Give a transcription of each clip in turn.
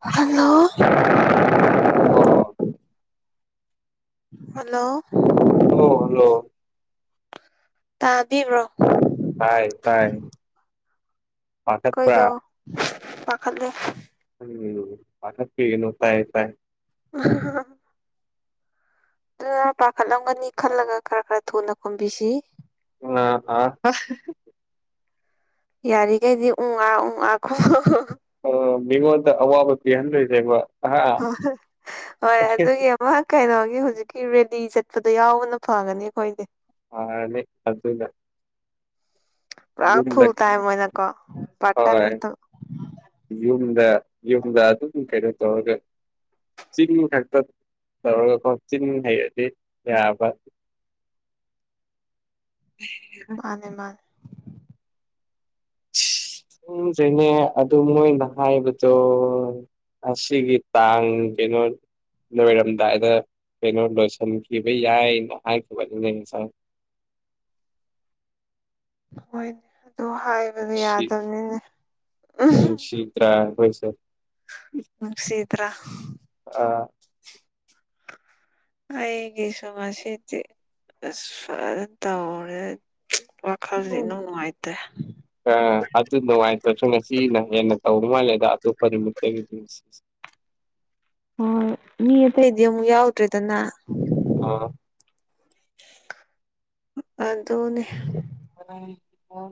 Hello ꯍꯣ ꯍꯣ ꯫ Hello ꯑꯣ ꯍꯜꯂꯣ ꯇꯥꯕꯤꯕ꯭ꯔꯣ ꯇꯥꯏ ꯇꯥꯏ ꯄꯥꯈꯠꯄ꯭ꯔꯥ ꯑꯩꯈꯣꯏꯗ ꯄꯥꯈꯠꯂꯦ ꯎꯝ ꯄꯈꯠꯄꯤꯅꯣ ꯇꯥꯏ ꯇꯥꯏ ꯍꯝ ꯍꯥ ꯍ ꯫ [unintelligible] ꯑꯗꯨꯅ ꯄꯥꯈꯠꯂꯝꯒꯅꯤ ꯈꯜꯂꯒ ꯈꯔ ꯈꯔ ꯊꯨꯅ ꯈꯨꯝꯕꯤꯁꯤ ꯑ ꯑ꯫ ꯌꯥꯔꯤꯈꯩꯗꯤ ꯎꯪ ꯑꯥ ꯎꯪ ꯑꯥ ꯈꯣ ꯑ ꯃꯤꯉꯣꯟꯗ ꯑꯋꯥꯕ ꯄꯤꯍꯟꯗꯣꯏꯁꯦꯕ ꯍ ꯍꯣꯏ ꯑꯗꯨꯒꯤ ꯑꯃ ꯀꯩꯅꯣꯒꯤ ꯍꯧꯖꯤꯛꯀꯤ ꯔꯦꯂꯤ ꯆꯠꯄꯗ ꯌꯥꯎꯕꯅ ꯐꯒꯅꯤ ꯑꯩꯈꯣꯏꯗꯤ ꯑꯅꯦ ꯆꯠꯇꯂ ꯄꯨꯔꯥ ꯐꯨꯜ ꯇꯥꯏꯝ ꯑꯣꯏꯅꯀꯣ ꯄꯥꯔꯠ ꯇꯥꯏꯝ ꯍꯣꯏ ꯅꯠꯇꯕ ꯫ ꯌꯨꯝꯗ ꯌꯨꯝꯗ ꯑꯗꯨꯝ ꯀꯩꯅꯣ ꯇꯧꯔꯒꯦ ꯆꯤꯡ ꯈꯛꯇ ꯇꯧꯔꯒꯀꯣ ꯆꯤꯡ ꯍꯩꯔꯗꯤ ꯌꯥꯕ ꯫ ꯃꯥꯅꯦ ꯃꯥꯅꯦ ꯫ ꯎꯨꯝꯖꯩꯅꯦ ꯑꯗꯨ ꯃꯣꯏꯅ ꯍꯥꯏꯕꯗꯣ ꯑꯁꯤꯒꯤ ꯇꯥꯡ ꯀꯩꯅꯣ ꯂꯣꯏꯔꯝꯗꯥꯏꯗ ꯀꯩꯅꯣ ꯂꯣꯏꯁꯤꯟꯈꯤꯕ ꯌꯥꯏꯅ ꯍꯥꯏꯈꯤꯕꯅꯤꯅꯦ ꯉꯁꯥꯡ ꯍꯣꯏ ꯑꯗꯨ ꯍꯥꯏꯕꯗꯤ ꯌꯥꯗꯝꯅꯤꯅꯦ ꯎ ꯁꯤꯗ꯭ꯔꯥ ꯑꯣꯏꯣꯏꯁꯦ ꯅꯨꯡ ꯁꯤꯇ꯭ꯔꯥ ꯑ ꯑꯩꯒꯤꯁꯨ ꯉꯁꯤꯖꯦ ꯑꯁ꯭ꯋꯥꯏꯗ ꯇꯧꯔꯦ ꯋꯥꯈꯜꯁꯤꯦ ꯏꯅꯧ ꯅꯨꯡꯉꯥꯏꯇꯦ ꯑ ꯑꯗꯨ ꯅꯨꯡꯉꯥꯏꯇ꯭ꯔꯁꯨ ꯉꯁꯤꯅ ꯍꯦꯟꯅ ꯇꯧꯔ ꯃꯥꯜꯂꯦꯗ ꯑꯇꯣꯞꯄ ꯅꯨꯃꯤꯠꯇꯒꯤꯗꯤ ꯍꯣꯏ ꯃꯤ ꯑꯇꯩꯗꯤ ꯑꯃꯨꯛ ꯌꯥꯎꯗ꯭ꯔꯦꯗꯅ ꯑꯣ ꯑꯗꯨꯅꯦ ꯑ ꯏꯣ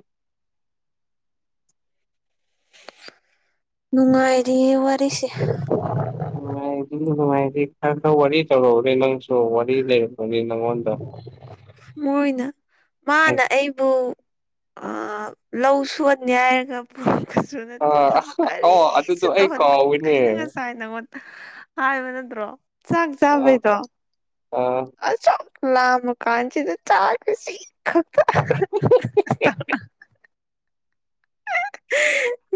ꯅꯨꯡꯉꯥꯏꯔꯤ ꯋꯥꯔꯤꯁꯦ ꯅꯨꯡꯉꯥꯏꯔꯤ ꯅꯨꯡꯉꯥꯏꯔꯤ ꯈꯔ ꯈ ꯋꯥꯔꯤ ꯇꯧꯔꯛꯎꯅꯦ ꯅꯪꯁꯨ ꯋꯥꯔꯤ ꯂꯩꯔꯔꯕꯅꯤ ꯅꯪꯉꯣꯟꯗ ꯃꯣꯏꯅ ꯃꯥꯅ ꯑꯩꯕꯨ ꯫ ꯑ ꯂꯧ ꯁꯨꯍꯟꯅꯤ ꯍꯥꯏꯔꯒ ꯫ ꯀꯁꯨ ꯅꯠꯇꯦ ꯑꯥ ꯊꯕꯛ ꯑꯣ ꯀꯔꯤꯁꯨ ꯑꯗꯨꯗꯣ ꯑꯩ ꯇꯧꯍꯜꯂ ꯀꯥꯎꯋꯤꯅꯦ ꯑꯩꯅ ꯉꯁꯥꯏ ꯅꯪ ꯍꯥꯏꯕ ꯅꯠꯇ꯭ꯔꯣ ꯆꯥꯛ ꯑꯥ ꯆꯥꯕꯩꯗꯣ ꯑꯥ ꯑ ꯆꯣꯛ ꯂꯥꯝꯃ ꯀꯥꯟꯁꯤꯗ ꯆꯥꯛꯁꯤ ꯁꯤ ꯈꯛꯇ ꯍ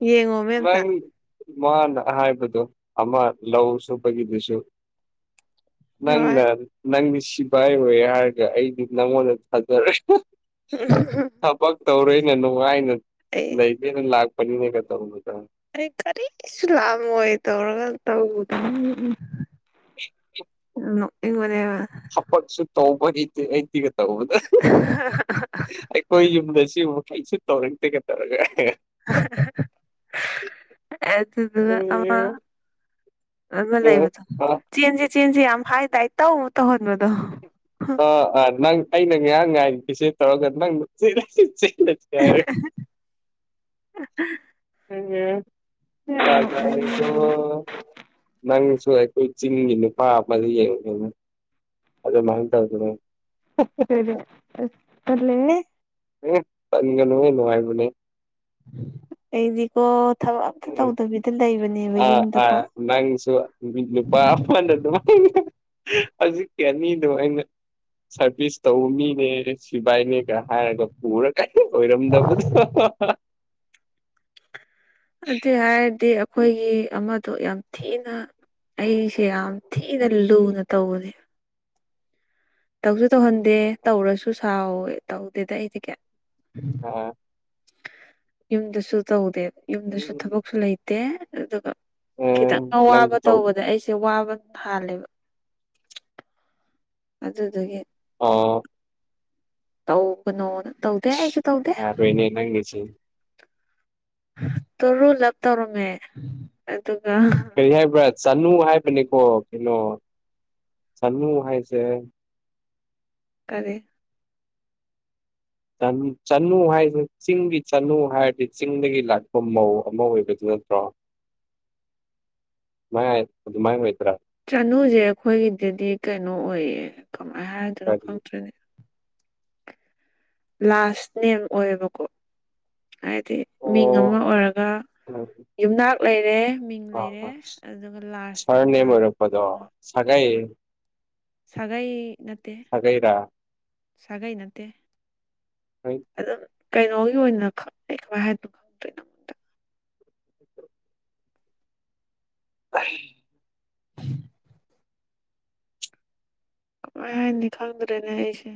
ꯌꯦꯉꯣ ꯅꯪ ꯃꯥꯅ ꯍꯥꯏꯕꯗꯣ ꯑꯃ ꯂꯧ ꯁꯨꯕꯒꯤꯗꯨꯁꯨ ꯫ ꯅꯪ ꯍꯣꯏ ꯂꯥ ꯫ ꯅꯪꯗꯤ ꯁꯤꯐꯥꯏ ꯑꯣꯏ ꯍꯥꯏꯔꯒ ꯑꯩꯗꯤ ꯅꯪꯉꯣꯟꯗ ꯊꯥꯖꯔꯣꯏ ꯊꯕꯛ ꯇꯧꯔꯦꯅꯦ ꯅꯨꯡꯉꯥꯏꯅ ꯑꯩ ꯂꯩꯒꯦꯅ ꯂꯥꯛꯄꯅꯤꯅꯦꯒ ꯇꯧꯕꯗꯣ ꯑꯩ ꯀꯔꯤꯁꯨ ꯂꯥꯛꯑꯃꯣꯏ ꯇꯧꯔꯒ ꯇꯧꯕꯗ ꯅꯣꯛꯅꯤꯡ ꯕꯅꯦꯕ ꯊꯥꯕꯠꯁꯨ ꯇꯧꯕ ꯍꯩꯇꯦ ꯑꯩꯗꯤꯒ ꯇꯧꯕꯗꯣ ꯫ ꯍꯣꯏ ꯌꯨꯝꯗ ꯁꯤꯨꯝ ꯃꯈꯩꯁꯨ ꯇꯧꯔꯗꯦꯒꯩ ꯇꯧꯔꯒ꯫ [unintelligible] ꯑꯦ ꯑꯗꯨ ꯑꯗꯨꯅ ꯑꯃ ꯑꯃ ꯂꯩꯕꯗꫭ ꯆꯦꯟꯁꯤ ꯆꯦꯟꯁꯤ ꯌꯥꯝ ꯍꯥꯏꯗꯥꯏ ꯇꯧ ꯇꯧꯍꯟꯕꯗꯣ ꯑꯥ ꯑꯥ ꯅꯪ ꯑꯩꯅ ꯉꯍꯥꯡ ꯉꯥꯏꯒꯤꯁꯦ ꯇꯧꯔꯒ ꯅꯪꯅ ꯆꯦꯂꯁꯤ ꯆꯦꯂꯁꯤ꯫ [unintelligible] ꯌꯥꯝ ꯖꯥꯖꯥꯅꯤꯀꫭ ꯅꯣꯛꯅꯤꯡꯕꯅꯦ ꯅꯪꯁꯨ ꯑꯩꯁꯨ ꯆꯤꯡꯒꯤ ꯅꯨꯄꯥ ꯑꯃ ꯌꯦꯡꯈ꯭ꯔꯦꯅꯦ ꯫ ꯑꯗꯨꯃꯥꯏꯟ ꯇꯧꯗꯅ ꯇꯜꯂꯦꯍꯦ ꯫ ꯍꯝ ꯇꯟꯒꯅꯨꯅꯦ ꯅꯨꯡꯉꯥꯏꯕꯅꯦꯍꯦ꯫ ꯑꯩꯗꯤꯀꯣ ꯊꯕꯛ ꯑꯝꯇ ꯇꯧꯗꯕꯤꯗ ꯂꯩꯕꯅꯦꯕ ꯑ ꯌꯨꯝꯗꯀꯣ ꯑ ꯅꯁꯨ ꯃꯤ ꯅꯨꯄꯥ ꯅ ꯑꯗꯨꯉꯥꯏꯅ ꯍꯧꯖꯤꯛꯀꯤ ꯑꯅꯤꯗꯨ ꯑꯩꯅꯥ ꯁꯔꯕꯤꯁ ꯇꯧꯅꯤꯅꯦ꯫ ꯁꯤꯕꯥꯏꯅꯦ ꯈꯔ ꯍꯥꯏꯔꯒ ꯄꯨꯔꯒꯥꯏ ꯑꯣꯏꯔꯝꯗꯕꯗꯣ ꯑꯗꯨꯏ ꯍꯥꯏꯔꯗꯤ ꯑꯩꯈꯣꯏꯒꯤ ꯑꯃꯗꯣ ꯌꯥꯝ ꯊꯤꯅ ꯑꯩꯁꯦ ꯌꯥꯝ ꯊꯤꯅ ꯂꯨꯅ ꯇꯧꯕꯁꯦ꯫ ꯇꯧꯁꯨ ꯇꯧꯍꯟꯗꯦ ꯇꯧꯔꯁꯨ ꯁꯥꯎꯋꯦ ꯇꯧꯗꯦꯗ ꯑꯩꯗꯤ ꯀꯌꯥ ꯑꯥ ꯌꯨꯝꯗꯁꯨ ꯇꯧꯗꯦ ꯌꯨꯝꯗꯁꯨ ꯊꯕꯛꯁꯨ ꯂꯩꯇꯦ ꯑꯗꯨꯒ ꯈꯤꯇꯪ ꯎꯝ ꯑꯋꯥꯕ ꯅꯪꯁꯨ ꯇꯧ ꯇꯧꯕꯗ ꯑꯩꯁꯦ ꯋꯥꯕ ꯍꯥꯥꯜꯂꯦꯕ꯫ ꯑꯗꯨꯗꯨꯒꯤ꯫ ꯑꯣ ꯇꯧꯕꯅꯣ ꯇꯧꯗꯦ ꯑꯩꯁꯨ ꯇꯧꯗꯦ꯫ ꯅꯦ ꯅꯪꯒꯦꯁꯨ꯫ ꯇꯨꯔꯨꯂꯞ ꯇꯧꯔꯝꯃꯦ ꯑꯗꯨꯒ ꯀꯔꯤ ꯍꯥꯏꯕ꯭ꯔꯥ ꯆꯅꯨ ꯍꯥꯏꯕꯅꯤꯀꯣ ꯀꯩꯅꯣ ꯆꯅꯨ ꯍꯥꯏꯁꯦ꯫ ꯀꯔꯤ ꯆꯅꯨ ꯍꯥꯏꯁꯤ ꯆꯤꯡꯒꯤ ꯆꯅꯨ ꯍꯥꯏꯔꯗꯤ ꯆꯤꯡꯗꯒꯤ ꯂꯥꯛꯄ ꯃꯧ ꯑꯃ ꯑꯣꯏꯕꯗꯨ ꯅꯠꯇ꯭ꯔꯣ [inaudible] ꯃꯥꯏ ꯑꯗꯨ ꯃꯃꯥꯏꯡ ꯃꯣꯏꯇ꯭ꯔꯥ ꯆꯥꯅꯨꯁꯦ ꯑꯩꯈꯣꯏꯒꯤꯗꯗꯤ ꯀꯩꯅꯣ ꯑꯣꯏꯌꯦ ꯀꯃꯥꯏꯅ ꯍꯥꯏꯗꯣꯏꯅꯣ ꯍꯥꯏꯗꯤ ꯈꯪꯗ꯭ꯔꯅꯦ꯫ ꯂꯥꯁ ꯅꯦꯝ ꯑꯣꯏꯌꯦꯕꯀꯣ ꯍꯥꯏꯗꯤ ꯃꯤꯡ ꯑꯃ ꯑꯣ ꯑꯣꯏꯔꯒ ꯌꯨꯝꯅꯥꯛ ꯂꯩꯔꯦ ꯃꯤꯡ ꯂꯩꯔꯦ ꯑ ꯑꯗꯨꯒ ꯂꯥꯔꯖꯇ ꯑꯃꯨꯛ ꯍꯥꯞ ꯀꯗꯣ ꯁꯒꯥꯏ ꯁꯥꯒꯩ ꯅꯠꯇ ꯁꯥꯒꯩꯔ ꯁꯒꯥꯏ ꯅꯠꯇ꯫ ꯍꯦꯠ ꯑꯗꯨꯝ ꯀꯩꯅꯣꯒꯤ ꯑꯣꯏꯅ ꯈꯪꯅꯩ ꯀꯃꯥꯏ ꯍꯥꯏꯅꯣ ꯈꯪꯗꯣꯏꯅꯣ [unintelligible] [inaudible] ꯀꯃꯥꯏ ꯍꯥꯏꯅꯤ ꯈꯪꯗ꯭ꯔꯦꯅꯦ ꯑꯩꯁꯦ꯫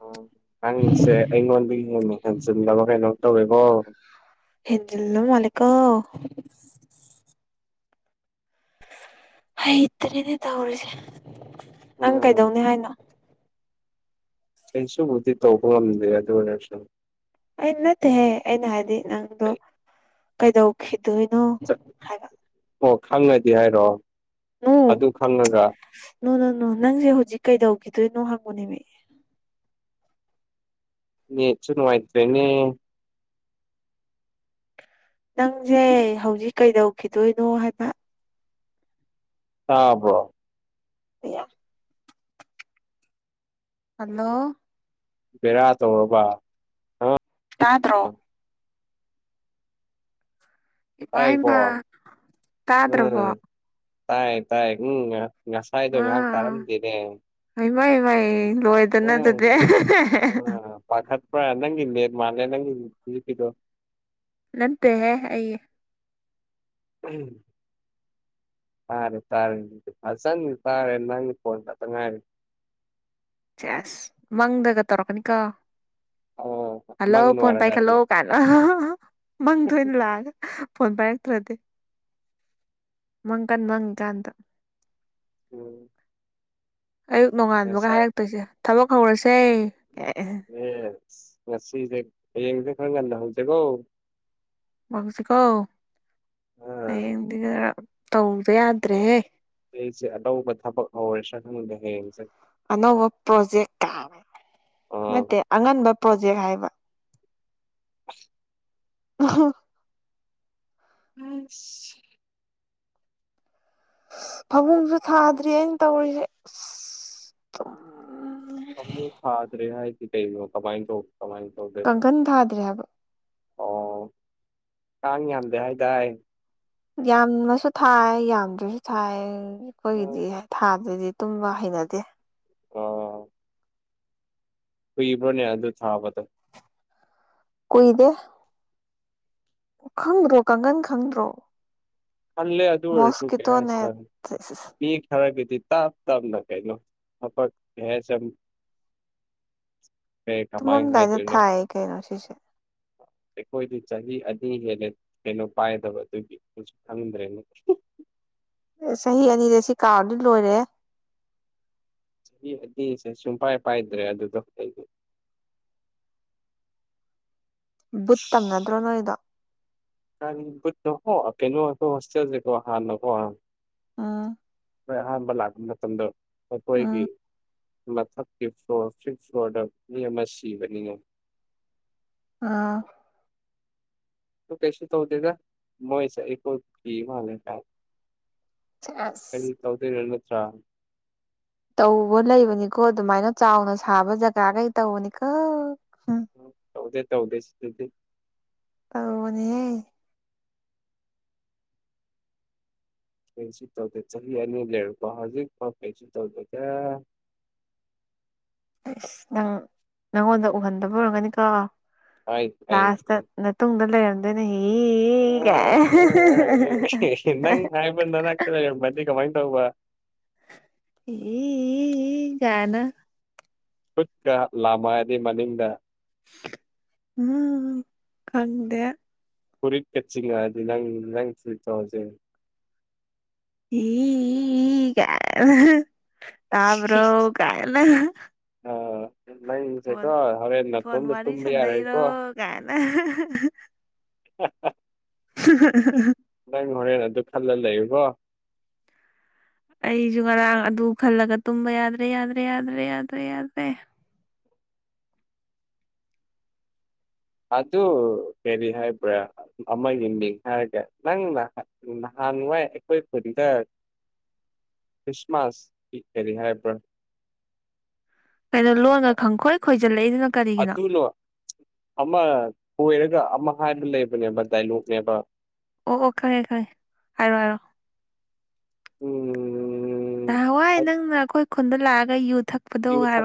ꯑꯣ ꯅꯪꯁꯦ ꯑꯩꯉꯣꯟꯗꯒꯤ ꯍꯦꯟꯅ ꯍꯦꯟꯖꯤꯟꯂꯕ ꯀꯩꯅꯣ ꯇꯧꯔꯦꯀꯣ꯫ ꯍꯦꯟꯖꯤꯜꯂꯕ ꯖꯥꯠꯅꯤꯀꯣ꯫ ꯍꯩꯇ꯭ꯔꯦꯅꯦ ꯇꯧꯔꯤꯁꯦ ꯅꯪ ꯎꯝ ꯀꯩꯗꯧꯅꯤ ꯍꯥꯏꯅꯣ꯫ ꯀꯩꯁꯨꯕꯨꯗꯤ ꯇꯧꯕ ꯉꯝꯗꯦ ꯑꯗꯨ ꯑꯣꯏꯔꯁꯨꯨ꯫ ꯑꯩ ꯅꯠꯇꯦꯍꯦ ꯑꯩꯅ ꯍꯥꯏꯗꯤ ꯅꯪꯗꯣ ꯀꯩꯗꯧꯈꯤꯗꯣꯏꯅꯣ ꯍꯥꯏꯕ ꯑꯣ ꯈꯪꯉꯗꯤ ꯍꯥꯏꯔꯣ ꯅꯣ ꯑꯗꯨ ꯈꯪꯉꯒ ꯅꯣ ꯅꯣ ꯅꯪꯁꯦ ꯍꯧꯖꯤꯛ ꯀꯩꯗꯧꯒꯤꯗꯣꯏꯅꯣ ꯍꯪꯕꯅꯦꯃꯤ꯫ ꯅꯦꯠꯁꯤ ꯅꯨꯡꯉꯥꯏꯇꯔꯦꯅꯦ꯫ ꯅꯪꯖꯦ ꯍꯧꯖꯤꯛ ꯀꯩꯗꯧꯒꯤꯗꯣꯏꯅꯣ ꯍꯥꯏꯕ꯫ ꯇꯥꯕ꯭ꯔꫭ꯫ ꯑꯌꯥ꯫ ꯍꯜꯂꯣ꯫ ꯕꯦꯔꯥ ꯇꯧꯔꯕ꯫ ꯑ ꯇꯥꯗ꯭ꯔꯣ꯫ ꯏꯃꯥ ꯍꯥꯏꯌꯦꯀꯣ ꯏꯃꯥ ꯇꯥꯗ꯭ꯔꯕꯣ ꯎꯝ꯫ ꯇꯥꯏ ꯇꯥꯏ ꯎꯝ ꯉꯁꯥꯏꯗꯣ ꯉꯥꯏꯍꯥꯛ ꯇꯥꯔꯝꯗꯦꯅꯦ꯫ ꯍꯩꯃꯩ ꯃꯩ ꯂꯣꯏꯗꯅ ꯑꯗꯨꯗꯤ꯫ ꯎꯝ ꯑ ꯄꯥꯈꯠꯄ꯭ꯔꯥ ꯅꯪꯒꯤ ꯅꯦꯠ ꯃꯥꯜꯂꯦ ꯅꯪꯒꯤ ꯍꯨꯖꯤꯛꯀꯤꯗꯣ꯫ ꯅꯟꯠꯇꯦ ꯍꯦ ꯑꯩ [unintelligible] ꯇꯥꯔꯦ ꯇꯥꯔꯦ ꯐꯖꯟ ꯇꯥꯔꯦ ꯅꯪ ꯈꯣꯟ ꯈꯥꯠꯇ ꯉꯥꯏꯔꯦ꯫ ꯁꯦꯁ ꯃꯪꯗꯒ ꯇꯧꯔꯛꯀꯅꯤꯀꯣ꯫ ꯑꯣ ꯍꯜꯂꯣ ꯃꯪ ꯐꯣꯟ ꯂꯣꯏꯔꯒꯗꯤ ꯀꯥꯏꯅ ꯃꯪꯗ ꯑꯣꯏꯅ ꯂꯥꯛꯑꯒ꯫ ꯐꯣꯟ ꯄꯥꯏꯔꯥꯛꯇ꯭ꯔꯗꯤ꯫ ꯃꯪ ꯀꯟ ꯃꯪꯉꯤꯀꯥꯟꯗ꫰꫰ ꯎꯝ꯫ ꯑꯌꯨꯛ ꯅꯣꯡꯉꯥꯟꯕꯒ ꯉꯁꯥꯏ ꯍꯥꯏꯔꯛꯇꯣꯏꯁꯦ ꯊꯕꯛ ꯍꯧꯔꯁꯦ ꯀꯥꯏ꯫ ꯌꯦꯁ ꯉꯁꯤꯁꯦ ꯍꯌꯦꯡꯁꯦ ꯈꯔ ꯉꯥꯟꯗ ꯍꯧꯁꯦꯀꯣ꯫ ꯍꯧꯁꯦꯀꯣ ꯑꯥ ꯍꯌꯦꯡꯗꯤ ꯈꯔ ꯇꯧꯗ ꯌꯥꯗ꯭ꯔꯦꯍꯦ꯫ ꯑꯩꯁꯦ ꯑꯇꯧꯕ ꯊꯥꯕꯛ ꯈꯪꯗꯦ ꯍꯌꯦꯡꯁꯦ꯫ ꯑꯅꯧꯕ ꯄ꯭ꯔꯣꯖꯦꯛ ꯀꯥꯏꯅ ꯑꯥ ꯅꯠꯇꯦ ꯑꯉꯟꯕ ꯄ꯭ꯔꯣꯖꯦꯛ ꯍꯥꯏꯕ꯫ [unintelligible] ꯑꯣꯍꯣ꯫ ꯑꯁ꯫ ꯐꯃꯨꯡꯁꯨ ꯊꯥꯗ꯭ꯔꯤ ꯑꯩꯅ ꯇꯧꯔꯤꯁꯦ ꯑꯁ꫰꫰ ꯐꯥꯃꯨꯡ ꯊꯗꯔꯤꯍꯥꯏꯗꯤ ꯀꯩꯅꯣ ꯀꯃꯥꯏꯟ ꯇꯧ ꯀꯃꯥꯏꯟ ꯇꯧꯗꯣꯏꯕ꯫ ꯀꯥꯡꯈꯟ ꯊꯥꯗ꯭ꯔꯤ ꯍꯥꯏꯕ ꯑꯣ ꯀꯥꯡ ꯌꯥꯝꯗꯦ ꯍꯥꯏꯗꯥꯏ꯫ ꯌꯥꯝꯔꯁꯨ ꯊꯥꯏ ꯌꯥꯝꯗ꯭ꯔꯁꯨ ꯊꯥꯏ꯫ ꯑꯩꯈꯣꯏꯒꯤꯗꯤ ꯊꯥꯗꯔꯗꯤ ꯇꯨꯝꯕ ꯍꯩꯅꯗꯦ꯫ ꯑꯣ꯫ ꯀꯨꯢꯕ꯭ꯔꯣꯅꯦ ꯑꯗꯨ ꯊꯥꯕꯗꯣ꯫ ꯀꯨꯏꯗꯦ꯫ ꯈꯪꯗ꯭ꯔꯣ ꯀꯥꯡꯒꯟ ꯈꯪꯗ꯭ꯔꯣ꯫ ꯈꯜꯂꯦ ꯑꯗꯨ ꯑꯣꯏꯔꯁꯨ ꯀꯔꯤ ꯃꯣꯁꯀꯤꯇꯣ ꯍꯥꯏꯁꯤꯔ ꯅꯦꯠ ꯈꯔꯒꯗꯤ ꯇꯞ ꯇꯞꯅ ꯀꯩꯅꯣ ꯊꯕꯛ ꯀꯩ ꯍꯥꯏꯁꯤꯔ ꯀꯩ ꯀꯃꯥꯏꯅ ꯇꯨꯝꯃꯗꯥꯏ ꯍꯥꯏꯗꯣꯏꯅꯣ ꯊꯥꯏ ꯀꯩꯅꯣ ꯁꯤꯁꯦ꯫ ꯑꯩꯈꯣꯏꯗꯤ ꯆꯍꯤ ꯑꯅꯤ ꯍꯦꯟꯂꯦ ꯀꯩꯅꯣ ꯄꯥꯏꯗꯕ ꯑꯗꯨꯒꯤ꯫ ꯍꯪꯗ꯭ꯔꯦꯅꯦ꯫ ꯑꯦ ꯆꯍꯤ ꯑꯅꯤꯗ ꯁꯤ ꯀꯥꯎꯔꯗꯤ ꯂꯣꯏꯔꯦꯍꯦ꯫ ꯆꯍꯤ ꯑꯅꯤꯁꯦ ꯁꯨꯡꯄꯥꯏ ꯄꯥꯏꯗ꯭ꯔꯦ ꯑꯗꯨꯗꯣ ꯑꯈꯣꯏꯗꯤ꯫ ꯕꯨꯠ ꯇꯝꯅꯗꯨ꯭ꯔꯣ ꯅꯣꯏꯗꯣ ꯅꯪ ꯚꯨꯠꯇꯣ ꯀꯣ ꯍꯣꯏꯇꯦꯜꯁꯦ ꯍꯥꯟꯅ ꯀꯣ ꯫ ꯎꯝ ꯈꯣꯏ ꯑꯍꯥꯟꯕ ꯂꯥꯛꯄ ꯃꯇꯝꯗꯣ ꯎꯝ ꯑꯩꯈꯣꯏꯒꯤ ꯃꯊꯛꯀꯤ ꯐ꯭ꯂꯣꯔ ꯐꯤꯐ ꯐ꯭ꯂꯣꯔꯗ ꯃꯤ ꯑꯃ ꯁꯤꯕꯅꯤꯉ ꯑꯥ ꯀꯩꯁꯨ ꯇꯧꯗꯦꯗ ꯃꯣꯏꯁꯦ ꯑꯩꯈꯣꯏ ꯀꯤ ꯃꯥꯂꯦꯗ ꯆꯁ ꯇꯧꯗꫭꯏꯔꫭ ꯅꯠꯇ꯭ꯔ ꯇꯧꯕ ꯂꯩꯕꯅꯤꯀꯣ ꯑꯗꯨꯃꯥꯏꯅ ꯆꯥꯎꯅ ꯁꯥꯕ ꯖꯒꯥꯈꯩ ꯇꯧꯕꯅꯤꯀꯣ ꯎꯝ ꯎ ꯇꯧꯗ ꯇꯧꯗꯗꯤ ꯇꯧꯅꯦ ꯀꯩꯁꯨ ꯇꯧꯗ ꯆꯍꯤ ꯑꯅꯤ ꯂꯦꯔꯀꯣ ꯍꯧꯖꯤꯛ ꯐ ꯀꯩꯁꯨ ꯇꯧꯗꯦ ꯀ ꯑꯁ ꯅꯪ ꯅꯪꯉꯣꯟꯗ ꯎꯍꯟꯗꯕ ꯑꯣꯏꯔꯝꯒꯅꯤꯀꯣ ꯍꯥꯏ ꯍꯥꯏ ꯂꯥꯁꯇ ꯃꯇꯨꯡꯗ ꯂꯩꯔꯝꯗꯣꯏꯅꯦ ꯍꯤꯒꯦ ꯅꯪ ꯍꯥꯏꯕ ꯅꯅꯥꯛꯇ ꯂꯩꯔꯝꯃꯗꯤ ꯀꯃꯥꯏꯟ ꯇꯕꯧ ꯎ ꯀꯥꯟꯅ ꯈꯨꯠꯀ ꯂꯥꯃꯒꯤ ꯃꯅꯤꯡꯗ ꯎꯝ ꯈꯪꯗꯦ ꯀꯔꯤ ꯀꯆꯤꯡꯉ ꯑꯗꯨꯗꯤ ꯅꯪ ꯐ ꯇꯖ ꯍ ꯀ ꯇꯥꯕ꯭ꯔꯣ ꯀꯥꯏꯅ ꯅꯁꯦ ꯀꯣ ꯐꯣꯟ ꯍꯅ ꯐꯣꯟ ꯇ ꯋꯥꯔꯤ ꯇꯨꯕ ꯌꯥꯔꯦ ꯁꯥꯟꯅꯩꯔꯣ ꯀꯣ ꯀꯥꯏꯅ ꯅꯪ ꯍꯣꯔꯦꯟ ꯑꯗꯨ ꯈꯜꯂ ꯂꯩꯕꯣ ꯑꯩꯁꯨ ꯉꯔꯥꯡ ꯑꯗꯨ ꯈꯜꯂꯒ ꯇꯨꯝꯕ ꯌꯥꯗ꯭ꯔꯦ ꯌꯥꯗ꯭ꯔꯦ ꯌꯥꯗ꯭ꯔꯦ ꯌꯥꯗ꯭ꯔꯦ ꯌꯥꯗ꯭ꯔꯦ ꯑꯇꯨ ꯀꯦꯔꯤ ꯍꯥꯏꯕ꯭ꯔ ꯑꯃꯒꯤ ꯃꯤꯡ ꯍꯥꯏꯔꯒꯦ ꯅꯪ ꯅꯍꯥꯟꯋꯥꯏ ꯑꯩꯈꯣꯏ ꯈꯨꯗꯤꯗ ꯈ꯭ꯔꯤꯁꯃꯥꯁꯀꯤ ꯑꯦꯔꯤ ꯍꯥꯏꯄꯔꯥ ꯀꯩꯅꯣ ꯂꯣꯟꯅ ꯈꯪꯈꯣꯏ ꯈꯣꯏꯖꯤꯜꯂꯛꯏꯗꯨꯅ ꯀꯔꯤꯒꯤꯅꯣ ꯑꯗꯨꯅꯣ ꯑꯃ ꯑꯣꯏꯔꯒ ꯑꯃ ꯍꯥꯏꯕ ꯂꯩꯕꯅꯦꯕ ꯗꯥꯏꯂꯣꯛꯅꯦꯕ ꯑꯣ ꯑꯣ ꯈꯪꯉꯦ ꯈꯪꯉꯦ ꯍꯥꯏꯔꯣ ꯍꯥꯏꯔꯣ ꯎꯝ ꯎꯝ ꯎꯝ꯫ ꯅꯍꯥꯟꯋꯥꯏ ꯅꯪꯅ ꯑꯩꯈꯣꯏ ꯈꯨꯟꯗ ꯂꯥꯛꯑꯒ ꯌꯨ ꯊꯛ ꯌꯨꯊ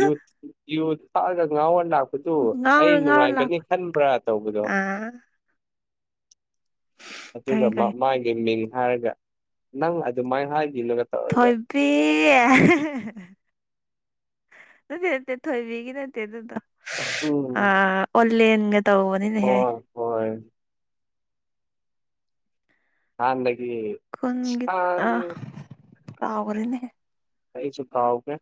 ꯌꯨꯊ ꯌꯨ ꯊꯥꯛꯑꯒ ꯉꯥꯎꯔ ꯂꯥꯛꯄꯗꯨ ꯑꯩ ꯉꯥꯎꯔ ꯉꯥꯎꯔ ꯅꯨꯡꯉꯥꯏꯒꯅꯤ ꯂꯥꯛꯄ ꯈꯟꯕ꯭ꯔꯥ ꯇꯧꯕꯗꯣ ꯑꯥ ꯑꯗꯨꯒ ꯈꯪꯉꯦ ꯈꯪꯉꯦ ꯃꯥꯒꯤ ꯃꯤꯡ ꯍꯥꯏꯔꯒ ꯅꯪ ꯑꯗꯨꯃꯥꯏꯅ ꯍꯥꯏꯈꯤꯅ ꯊꯣꯏꯕꯤ ꯑꯗꯨ ꯅꯦ ꯊꯣꯏꯕꯤꯒ ꯅꯠꯇꯦ ꯑꯗꯨꯗꯣ ꯑ ꯎꯝ ꯑꯣꯂꯦꯟꯒ ꯇꯧꯕꯅꯤꯅꯦꯍꯦ ꯍꯣꯏ ꯍꯣꯏ ꯍꯗꯒꯤ ꯈꯨꯟꯒꯤ ꯑ ꯀꯥꯎꯒꯔꯦꯅꯦ ꯑꯩꯁꯨ ꯈꯥꯎꯥꯎꯒꯦ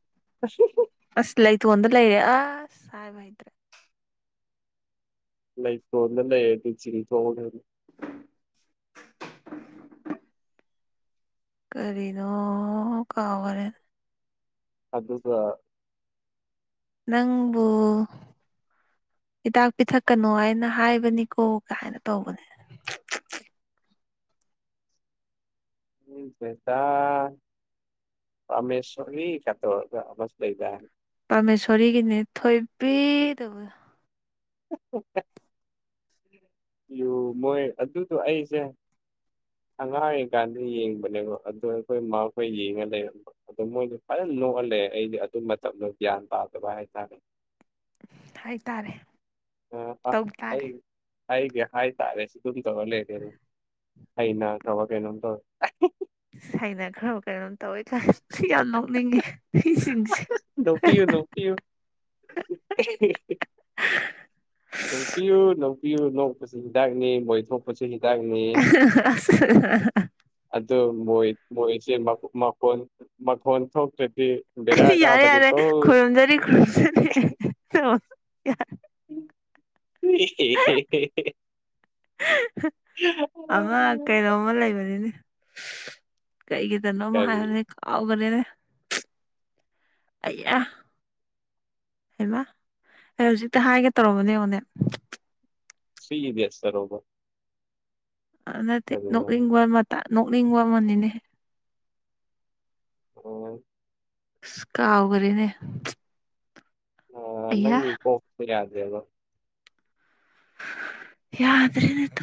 ꯑꯁ ꯂꯩꯇꯣꯟꯗ ꯂꯩꯔꯦ ꯑ ꯁꯥꯏ ꯥꯏꯗ꯭ꯔꯥ ꯂ ꯂꯩꯗꯤ ꯏꯆ ꯇ [unintelligible] ꯀꯔꯤꯅꯣ ꯀꯥꯎꯒꯔꯦ ꯑꯗꯨꯒ ꯅꯪꯕꯨ ꯍꯤꯗꯥꯛ ꯄꯤꯊꯛꯀꯅꯣ ꯍꯥꯏꯅ ꯍꯥꯏꯕꯅꯤꯀꯣ ꯀꯥꯏꯅ ꯇꯧꯕꯅꯦ꯫ ꯇ ꯄꯃꯦꯁꯣꯔꯤ ꯀ ꯇꯧꯔꯒ ꯑꯃꯁꯨ ꯂꯩꯗꯥꯏ ꯄꯥꯔꯃꯦꯁꯣꯔꯤꯒꯤꯅꯦ ꯊꯣꯏꯕꯤ ꯇꯧꯕꯗꫭ ꯌꯨ ꯃꯣꯏ ꯑꯗꯨꯗꯣ ꯑꯩꯁꯦ ꯑꯉꯥꯡ ꯑꯣꯏꯔꯤꯀꯥꯟꯗ ꯌꯦꯡꯕꯅꯦꯕꯣ ꯑꯗꯨꯣ ꯑꯩꯈꯣꯏ ꯃꯈ ꯑꯩꯈꯣꯏ ꯌꯦꯡꯉ ꯂꯩꯔꯝꯕ ꯑꯗꯣ ꯃꯣꯏꯗꯤ ꯐꯖꯅ ꯅꯣꯛꯍꯜꯂꯦ ꯑꯩꯗꯤ ꯑꯗꯨ ꯃꯇꯝꯅ ꯒ꯭ꯌꯥꯟ ꯄꯥꯗꯕ ꯍꯥꯏꯇꯥꯔꯦ ꯍꯥꯏꯇꯥꯔꯦ ꯑ ꯇꯧꯇꯥꯔꯦ ꯑꯩ ꯑꯩꯒꯤ ꯍꯥꯏꯇꯥꯔꯦ ꯁꯤ ꯑꯗꯨꯝ ꯇꯧꯔ ꯂꯩꯔꯦ ꯑꯗꯨꯝ ꯑꯩꯅ ꯆꯥꯎꯧꯋꯥ ꯀꯦꯩꯅꯣ ꯇꯧꯋꯦ ꯁꯥꯏꯅ ꯈ꯭ꯔ ꯀꯩꯅꯣꯝ ꯇꯧꯋꯦꯗ ꯌꯥꯝ ꯅꯣꯛꯅꯤꯡꯉꯦ ꯃꯤꯁꯤꯡꯁꯦ ꯅꯣꯛꯄꯤꯌꯨ ꯅꯣꯛꯄꯤꯌꯨ ꯅꯣꯛꯄꯤꯌꯨ ꯅꯧꯛꯄꯤꯌꯨ ꯅꯣꯛꯄꯁꯤ ꯍꯤꯗꯥꯛꯅꯦ ꯃꯣꯏꯊꯣꯛ ꯄ ꯍꯤꯗꯥꯥꯏ [unintelligible] ꯑꯗꯨ ꯃꯣꯏ ꯃꯣꯏꯁꯦ ꯃꯈꯣꯟ ꯃꯈꯣꯟ ꯊꯣꯛꯇ꯭ꯔꯗꯤ ꯕꯦꯔꯥ ꯌꯥꯔꯦ ꯌꯥꯔꯦ ꯀꯥꯕꯅꯤꯀꯣ ꯈꯨꯔꯨꯝꯖꯔꯤ ꯈꯨꯔꯨꯝꯖꯔꯤ ꯌꯥꯔꯦ ꯍꯦ ꯍꯦ ꯍꯦ ꯑꯃ ꯀꯩꯩꯅꫭꯝ ꯂꯩꯕꯅꯤꯅꯦ ꯀꯩꯒꯤꯗꯅꯣ ꯑꯃ ꯀꯔꯤ ꯍꯥꯏꯕꯅꯤ ꯀꯥꯎꯕꯅꯤꯅꯦ ꯑꯌꯥ ꯍꯃ ꯑꯦ ꯍꯧꯖꯤꯛꯇ ꯍꯥꯏꯒꯦ ꯇꯧꯔꯕꯅꯦꯉꯅꯦ ꯊ꯭ꯔꯤ ꯏꯗꯦꯠꯁ ꯇꯔꫭꯕ ꯅꯠꯇꯦ ꯅꯣꯛꯅꯤꯡꯕ ꯃꯇ ꯅꯣꯛꯅꯤꯡꯕ ꯃꯅꯤꯅꯦ ꯑꯣ ꯀꯥꯥꯎꯒꯔꯦꯅꯦ ꯑ ꯅꯪ ꯄ ꯌꯥꯗꯦꯗꯣ ꯌꯥꯗ꯭ꯔꯦꯅꯦꯇꯣ